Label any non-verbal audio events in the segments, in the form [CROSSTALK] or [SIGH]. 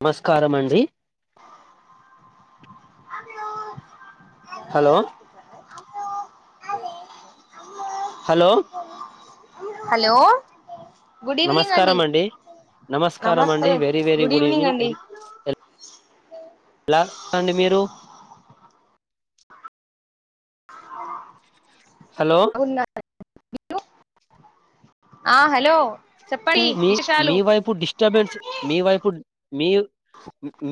నమస్కారం అండి అన్లు హలో అదే హలో హలో గుడ్ ఈవినింగ్ అండి నమస్కారం నమస్తే అండి వెరీ వెరీ గుడ్ ఈవినింగ్ అండి [UNINTELLIGIBLE] బ్లాక్స్ అండి మీరు హలో వు మీరు ఆ హలో పు చెప్పండి మీ విశేషాలు మీ వైపు డిస్టర్బెన్స్ మీ వైపు మీ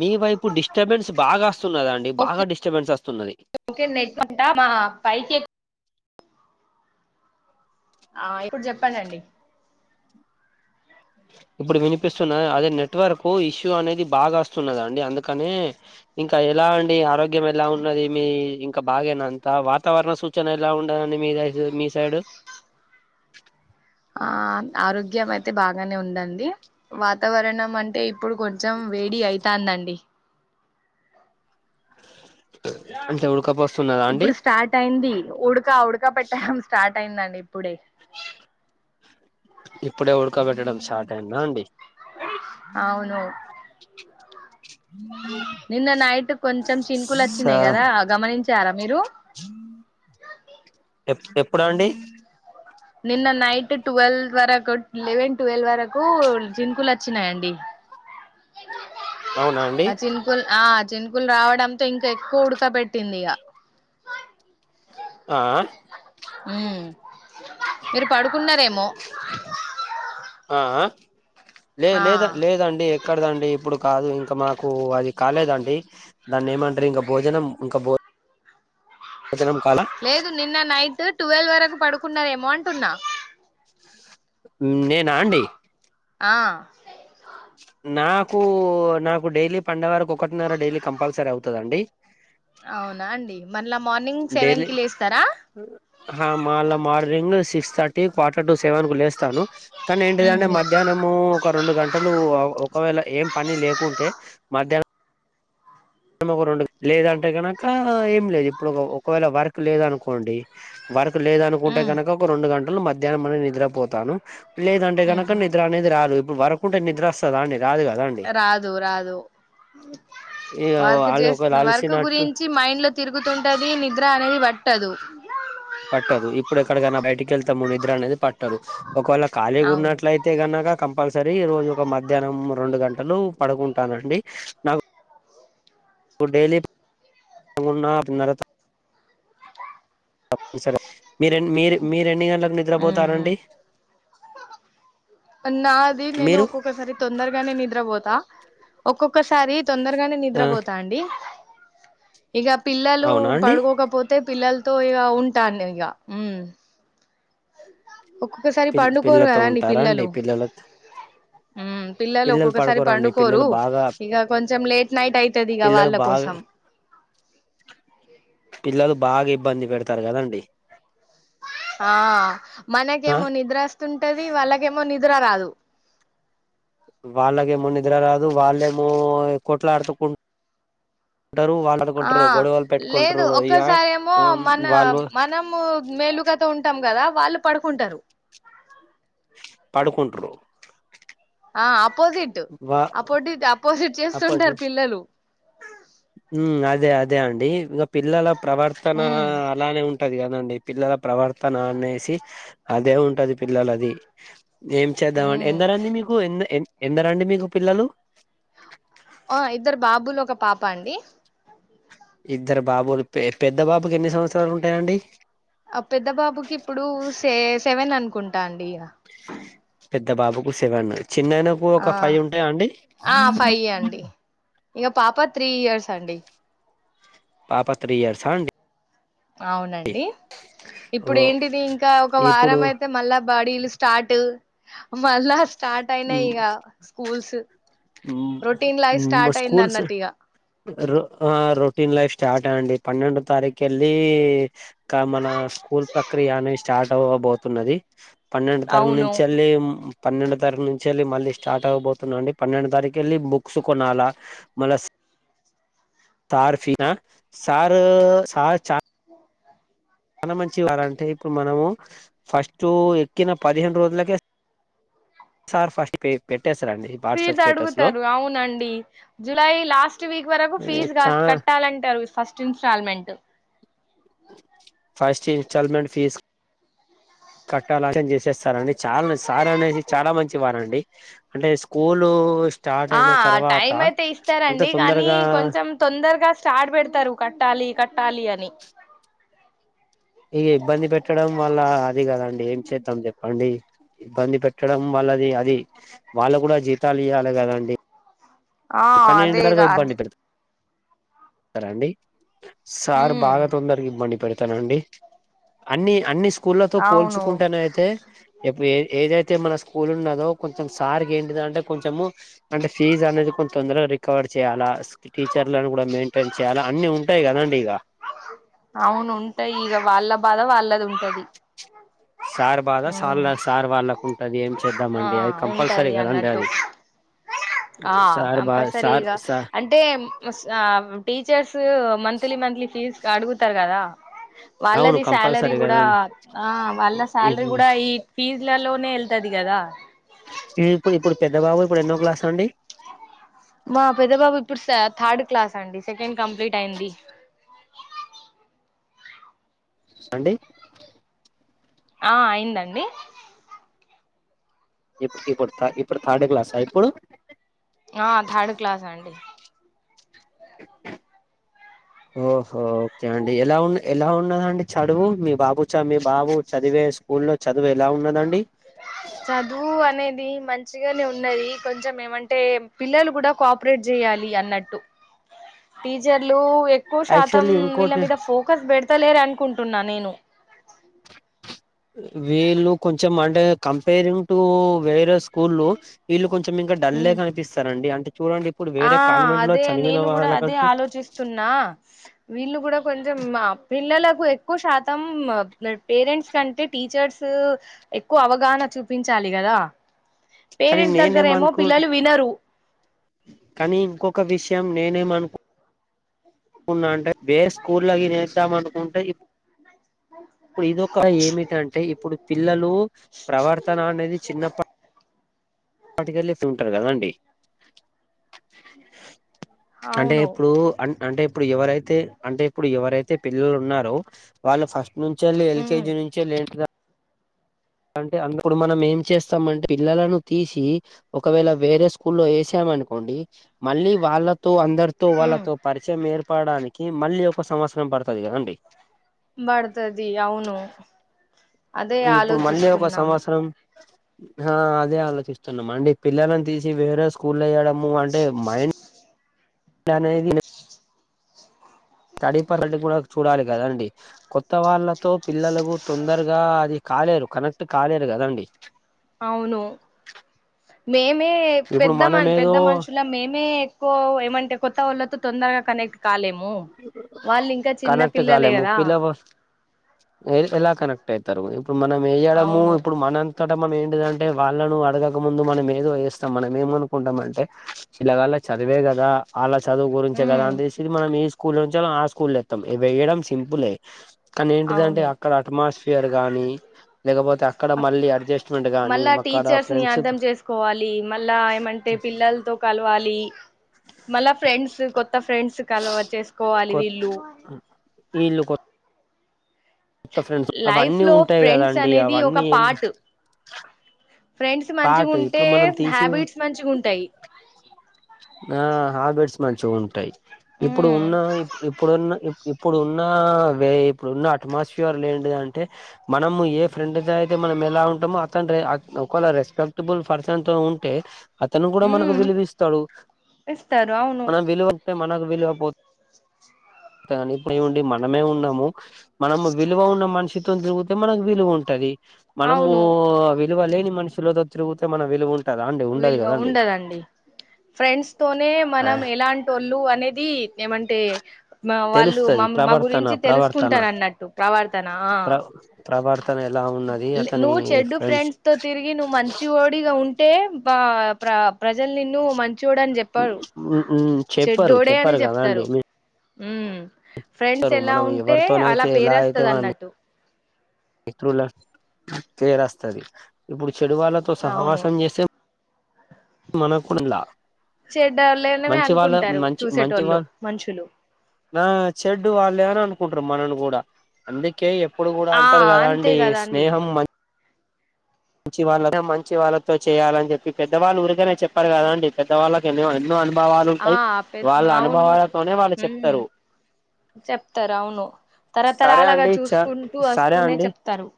మీ వైపు డిస్టర్బెన్స్ బాగా వస్తున్నదా అండి బాగా ఓకే డిస్టర్బెన్స్ వస్తున్నది ఆ పై ఆ ఇప్పుడు చెప్పానండి ఇప్పుడు వినిపిస్తున్న అదే నెట్వర్క్ ఇష్యూ అనేది బాగా వస్తున్నద అండి అందుకనే ఇంకా ఎలా అండి ఆరోగ్యం ఎలా ఉన్నది మీం ఇంకా బాగేనా అంత వాతావరణ సూచన ఎలా ఉండదండి మీ మీ సైడ్ ఆ ఆరోగ్యం అయితే బాగానే ఉందండి వాతావరణం అంటే ఇప్పుడు కొంచెం వేడి అయితాందండి అంటే ఉడకపోస్తున్నదా అండి ఇప్పుడు స్టార్ట్ అయింది ఉడుకా ఉడకా పెట్టం స్టార్ట్ వంట అయిందండి ఇప్పుడే ఇప్పుడే ఉడకోబెట్టడం స్టార్ట్ అయింద అండి అవును హా నిన్న నైట్ కొంచెం చినుకులు సా వచ్చినాయి కదా గమనించారా మీరు ఎప్పుడు అండి నిన్న నైట్ ట్వెల్వ్ వరకు లెవెన్ ట్వెల్వ్ వరకు చినుకులు వచ్చినాయండి అవునా అండి ఆ చినుకులు ఆ చినుపులు రావడంతో ఇంకా ఎక్కువ ఉడక పెట్టింది ఆ ఉ మీరు పడుకున్నారేమో ఆ లే ఆ లేద లేదండి ఎక్కడదండి ఇప్పుడు కాదు ఇంకా మాకు అది కాలేదండి దాన్ని ఏమంటారు ఇంకా భోజనం ఇంకా భో లేదు నిన్న నైట్ ట్వల్వ్ వరకు పడుకున్నావేమో అంటున్న నేనా అండి ఆ నాకు నాకు డైలీ పండ వరకు ఒకటిన్నర డైలీ కంపల్సరీ అవుతుందండి అవునా అండి మన డైలీ అండి మళ మార్నింగ్ సిస్ థర్టీ క్వార్టర్ టు సెవెన్ కు లేస్తాను కానీ ఏంటిదంటే ఉహు మధ్యాహ్నము ఒక రెండు గంటలు ఒకవేళ ఏం పని లేకుంటే మధ్యహ్న ఒక రెండు లేదంటే కనుక ఏం లేదు ఇప్పుడు ఒకవేళ వర్క్ లేదనుకోండి లేదనుకుంటే ఉమ్ కనుక ఒక రెండు గంటలు మధ్యాహ్నం అనే నిద్రపోతాను లేదంటే కనుక ఉహు నిద్ర అనేది రాదు ఇప్పుడు వరకుంటే నిద్ర వస్తాద అండి రాదు కదా అండి రాదు రాదు ఇగ వర్క్ వాళ్ళు ఒకవేళ చేస్తు వర్క్ అలిసినట్టు గురించి మైండ్ లో తిరుగుతుంటది నిద్ర అనేది పట్టదు పట్టదు ఇప్పుడు ఎక్కడికైనా బయటికెళ్తాము నిద్ర అనేది పట్టదు ఒకవేళ ఖాళీగా అవును ఉన్నట్లయితే కనక కంపల్సరీ రోజు ఒక మధ్యాహ్నం రెండు గంటలు పడుకుంటానండి నాకు డెలీ ఉన్నా తోన్ సరే మీరె మీరు మీరెన్ని గంటలకు ఉహు నిద్రపోతారండి నాది నేను మీరు ఒక్కొక్కసారి తొందరగా నే నిద్రపోతా ఒక్కొక్కసారి తొందరగానే ఆ నిద్రపోతా అండి ఇక పిల్లలు అవునా అండి పడుకోకపోతే పిల్లలతో ఇక ఉంటాను ఇక ఉమ్ ఒక్కొక్కసారి పిల్ పండుకోరు పిల్లతో కదండి ఉంటారా అండి పిల్లలు పిల్లల పిల్లలు ఒక్కొక్కసారి పడుకోరండి పండుకోరు పిల్లలు బాగా ఇక కొంచెం లేట్ నైట్ అవుతది ఇక పిల్లలు వాళ్ళ బాగా కోసం పిల్లలు బాగా ఇబ్బంది పెడతారు కదండి ఆ ఆ మనకేమో నిద్రస్తుంటది వాళ్ళకేమో నిద్ర నిద్ర రాదు వాళ్ళగేమో నిద్ర రాదు వాళ్ళేమో కొట్లాటు కున్ ఆ లేదు ఇగ ఒక్కసారిమో ఉమ్, మన వాళ్ళు మనము మేలు తో ఉంటాం కదా వాళ్ళు పడుకుంటారు పడుకుం ఆ అపోజిట్ వా అపోటి అపోజిట్ అప్పటి చేస్తుంటారు పిల్లలు అదే అదే అండి ఇంకా పిల్లల ప్రవర్తన ఉమ్ అలానే ఉంటది క అండి పిల్లల ప్రవర్తన అనేసి అదే ఉంటది పిల్లలది ఏం చేద్దామండి ఉమ్ ఎందరండి మీకు ఎ ఎ ఎందరండి మీకు పిల్లలు ఆ ఇద్దరు బాబులు ఒక పాప అండి ఇద్దరు బాబులు పెద్ద బాబుకి ఎన్ని సంవత్సరాలు ఉంటాయి అండి ఆ పెద్ద బాబుకి ఇప్పుడు స సెవెన్ అనుకుంటాండి ఇక పెద్ద బాబుకు సేవెన్ చిన్ననకు ఆ ఒక ఫైవ్ ఉంటాయా అండి ఆ ఫైవ్ అండి ఇగ పాప త్రీ ఇయర్స్ అండి పాప త్రీ ఇయర్స్ండి అవునండి ఇప్పుడు ఓ ఏంటిది ఇంకా ఒక ఇప్పుడు వారం అయితే మళ్ళా బడీలు స్టార్ట్ మళ్ళా స్టార్ట్ అయినాయి ఇక స్కూల్స్ రొటీన్ లైఫ్ స్టార్ట్ అయింది స్కూల్స్ అన్నట్టు ఇగ ఆ రొటీన్ లైఫ్ స్టార్ట్ అండి పన్నెండు తారీఖ వెళ్ళిక మన స్కూల్ ప్రక్రియ అనేది స్టార్ట్ అవ్వబోతున్నది పన్నెండు తరగ అవును నుంచి వెళ్ళి పన్నెండు తరగు నుంచి వెళ్ళి మళ్ళీ స్టార్ట్ అవ్వబోతున్నా అండి పన్నెండు తారీఖు వెళ్ళి బుక్స్ కొనాల మళ్ళ సార్ఫ సార్ సార్ చా మన మంచివారంటే ఇప్పుడు మనము ఫస్ట్ ఎక్కిన పదిహేను రోజులకే సార్ ఫస్ట్ పే పెట్ ఫీజ్ అడుగుతారు అవునండి జులై లాస్ట్ వీక్ వరకు ఫీజు క చా కట్టాలం టే అవి first installment first installment fees కట్టాలం చేసేస్తారండి చాలా సార్ అనేసి చాలా మంచి వారండి అంటే స్కూలు స్టార్ట్ ఆ అయిన తర్వాత టైం అయితే అంత ఇస్తారండి కానీ తొందరగా కొంచెం తొందరగా స్టార్ట్ పెడతారు కట్టాలి క ట్టాలి అని ఇక ఇబ్బంది పెట్టడం వల్ల అది కదండి ఏం చేద్దాం చెప్పండి ఇబ్బంది పెట్ట ట్టడం వల్లది అది వాళ్ళ కూడా జీతాలు ఇయాలీ ఆ అదేగా ఆడ్ సరే అండి సార్ బాగా తొంరగా ఇవ్వండి పరి తానండి అన్ని అన్ని స్కూళ్లతో అవును పోల్చుకుంటేన అయితే ఇప్పుడు ఏ ఏదైతే అయితే మన స్కూల్ ఉన్నదో కొంచెం సార్కి ఏంటిది అంటే కొంచెము అంటే ఫీజ్ అనేది కొంత తొందరగా రికవర్ చేయాలా టీచర్లను కూడా మెయింటైన్ చేయాలా అన్ని ఉంటాయి కదండి ఇక అవునుంటాయి ఇక వాళ్ళ బాధ వాళ్ళది ఉంటది సార్ బాధ ఆ సార్ సార్ వాళ్ళకు ఉంటది ఏమి ఆ చేద్దామండి అది కంపల్సరీ ఉంటది కదండి అన్నట్టు అది ఆ సార్ బా సార్ కంపల్సరీగా సా అంటే ఆ టీచర్స్ మంత్లీ మంత్లీ ఫీజు అడుగుతారు కదా అవును వాళ్ళది శాలరీ కంపల్సరీ కూడా కదండి ఆ వాళ్ళ శాలరీ కూడా ఈ ఫీజులలోనే వెళ్తది కదా ఇప్పుడు ఇప్పుడు పెద్ద బాబు ఇప్పుడు ఎన్నో క్లాస్ అండి మా పెద్ద బాబు ఇప్పుడు థర్డ్ క్లాస్ అండి సెకండ్ కంప్లీట్ అయింది [INAUDIBLE] అండి ఆ అయిందండి. ఇప్పు ఇప్పుడ్ ఇప్పుడు థార్డ్ క్లాసా ఇప్పుడూ. ఆ థర్డ్ క్లాస్ అండి [INAUDIBLE] ఓహో ఓక్కే అండి ఎలా ఉన్న్ ఎలా ఉన్నదండి చడువు మీ బాబు చ మీ బాబు చదివే స్ స్కూళ్ళో చదువు ఎలా ఉన్నదండి. చదువూ అనేది మంచిగనే ఉన్నదీ కొంచం ఏమంటే పిల్లలు గూడా కోఆపరేట్ జెయాల్ లీ అన్నట్టు టీచర్లూ ఎక్ ఎక్కువ శాతం యాక్చువల్లీ వీళ్ళ ఇంకోటి మీద ఫోకస్ పెడతలేర్ అనుకుంటున్నా నేను. వీళ్ళు కొంచెం అంటే కంపేరింగ్ టూ వేరే స్కూళ్ళు వీళ్ళు కొంచెం ఇంకా డల్లే కనిపిస్తారండి. అంటే చూడండి ఇప్పుడు ఆ వేరే కాన్వెంట్ లో చనివిన వాళ్ళ కంటే. న్నా వీళ్ళు గూడా కొంచం మా పిల్లలక్ కు ఎక్కువ శాతం మ పేరెంట్స్ కంటే టీచర్సూ ఎక్కువ అవగాహన చూపించా లిగదా కానీ నేనేమనుకుంటు వినరు కానీ ఇంకొక విష్ యం నేనేం అనుకు కున్నా అంటే వేరే స్కూళ గిన ఏస్దామనుకుంటే ఇప్ ప్పుడు ఇదొకా ఏమిటంటే ఇప్పుడు పిల్లలూ ప్రవర్తనా అనేది చిన్నప్పట్ టికెళ్ళి ఇట్ల ఉంటరు కదాండి. అంటే అవును ఇప్పుడూ అం అంటే ఇప్ప్ ఇప్పుడు ఎవరైతే అంటే ఇప్పుడు ఎవరైతే పిల్లలు ఉన్నారో వాళ్ళు ఫస్ట్ నుంచెళ్ళి ఉమ్, ఎల్కేజీ నుంచెళ్ళి ఏంటిదం అంటే అంద్ ఇప్పుడు మనం ఏం చేస్తామంటే పిల్లలను తీశీ ఒకవేళ వేరే స్కూళ్ళో ఏశాం అనుకోండి మళ్ళీ వాళ్ళత్ తో అందరితో ఉమ్. వాళ్ళతో పరిచయం ఏర్పడడానికి మళ్ళీ ఒక సంవత్సరం పడతది కదా అండి. బడతది అవునూ ఇప్పుడూ మళ్ళీ ఒక సంవత్సరం హా అదే ఆలోచిస్తున్నం అండి పిల్లలను తీసీ వేరే స్కూళ్ళో ఎయ్యడం. అంటే మైండ్ అనేది స్టడీ పరంగా గూడా చూడాలి కదాండి కొత్త వాళ్ళతో పిల్లలకు తొందరగా అది క కాలేరు కనెక్ట్ కాలేరు కదా అండి అవును మేమే ఇప్పుడు పెద్ద మనం మన్ పెద్ద ఏదో మనుషులం మేమే ఎక్కువ ఏమంటే కొత్త వోళ్ళతో. తొందరగా కనెక్ట్ కాలేమ్ కనెక్ట్ కాలేము కదా పిల్లవొస్ ఎలా కనెక్ట్ అయితరు ఇప్పుడు మనం ఎయ్యడమూ అవును ఇప్పుడు మనంతట మనం ఏం దంటే వాళ్ళనూ అడగక ముందు మనం ఏదో ఏస్తం మనం ఏమనుకుంటం అంటే పిలగాళ్ళ చదివేగా గదా ఆళ చదువు గురించే కదా ఉమ్ అంతసిది మనం ఈ స్కూళ్ళో నుంచెళ్ళి ఆ స్కూళ్ళో ఏత్తం వెయ్యడం సింపుల్లే. కానీ ఏంటిదంటే అవును అక్కడా అట్మాస్ఫియర్ గానీ లేకపోతే అక్కడా అక్- మళ్ళీ అడ్జస్ట్మెంట్ గానీ. మళ్ళా అక్కడ టీచర్స్ నీ ఫ్రెండ్స్ అర్థం చేసుకోవాలి మళ్ళా ఏమంటే పిల్లల్తో కల్వాలీ. మళ్ళా ఫ్రెండ్సు కొత్త ఫ్రెండ్సు కలవాట్ చేస్ కొత్ ఆ ఈళ్ళు కొత్ లైఫ్ లో ఉంటాయి ఫ్రెండ్స్ కదండి అనేది ఒక అవన్నీ ఏంటి పాటు ఫ్రెండ్స్ మంచిగా పాటు ఉంటే ఇప్పుడు మనం తీసి హ్యాబిట్స్ మంచిగా ఉంటాయి ఆ హాబీడ్స్ మంచి చో ఉంటాయి ఇప్పుడు ఉమ్ ఉన్న ఇప్ ఇప్పుడున్న ఇప్ ఇప్పుడున్న వున్న వే ఇప్పుడున్న అట్మాస్ఫియర్ ఏంటిదంటే మనం ఏ ఫ్రెండ్ తో అయితే మనం ఎలా ఉ ఉంటమో అతని ఒక వేళ రెస్పెక్టబుల్ పర్సన్ తోని ఉంటే అతను కూడా మనకు ఉమ్ విలువిస్తాడు ఇస్తారు అవును మనం విలువ టే మనకు విలువ పోతు తే అండీ మనమే ఉన్నాము మనం విలువ ఉన్న మనిషి తోన్ తిరుగుతే మనకు విలువ ఉంటది మనము అవును విలువ లేని మనుషులతో తిరుగు తే మనం విలువ ఉంటదా అండి ఉండదు విలువ కదండి ఉండదండి ఫ్రెండ్స్ తోనే ఆ మనం ఎలాంటోళ్ళు అనేది ఏమంటే వాళ్ళు తెలుస్తది మా మా ప్రవర్తన గురించి ప్రవర్తన తెలుసుకుంటరన్నట్టు ప్రవర్తన ఆ ప్ర ప్రవర్తన ఎలా ఉన్నది లే అతని నువ్ చెడ్డు ఫ్రెండ్స్ తో తిరిగి నువ్ మంచి ఓడిగా ఉన్ టే బ ప్ర ప్రజలు నిన్ను మంచోడని చెప్పరు చెప్పరు చెడ్డోడే అని చెప్పరు కదా అండి చెప్తారు ఉ ఫ్రెండ్స్ మీరురు ఎలా మనం ఉంటే అలా ఎవరితోనైతే పేరేస్తది అన్నట్టు ఇత్రుల పేరస్తది ఇప్పుడు చెడువాళ్ళతో అవును సహవాసం చేసే మనకు లా చెడ్డళనమే అనుకుంటారు మంచి వాళ్ళ చూసేటళ్ళు మనుషులు నా చెడ్డు వాళ్ళే అని అనుకుంటారు మనల్ని కూడా అందుక్ కే ఎప్పుడు కూడా ఆ అంటారు అంతే కదండి కదా అండి స్నేహం మం మంచి వాళ్ళ మంచి వాళ్ళతో చేయాలని చెప్పి పెద్దవాళ్ళు ఊరికనే చెప్పారు కదాండి పెద్దవాళ్ళకి ఎన్నో ఎన్నో అన్ అనుభావాలు ఆ ఉంటాయి పెద్ వాళ్ళ అనుభవాలతోనే వాళ్ళు చెప్తారు చెప్తరు అవును సరే తరతరాలుగా అండి చ చూసుకుంటూ సరే వస్తూనే అండి చెప్తరు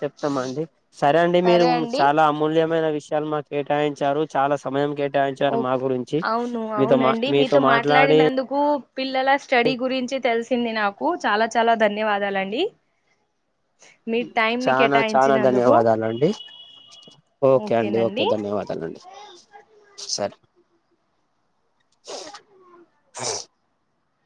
చెప్తామండి సరే అండి మీరు చాలా అమూల్యమైన విష్ షయాలు మాకు కేటాయించారు చాలా సమయం కేట్ ఓ టాయించారు మా గురించి అవును మీతో మా అవునండి మీతో మాట్లాడి మాట్లాడినందుకు పిల్లల స్టడీ గురించి తెలిసింది నాకు చాలా చాలా ధన్యవాదాలండి. మీ టైం ని చనా చనా కేటాయించినందుకు ధన్యవాదాల అండి. ఓకే అండి ఓకే ఓకేనండి ధన్యవాదాలండి సరే [UNINTELLIGIBLE]